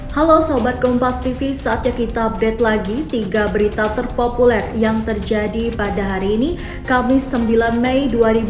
halo sobat kompas vivi saatnya kita update lagi tiga berita terpopuler yang terjadi pada hari ini kamis sembilan mei dua ribu dua puluh